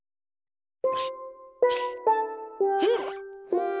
うん！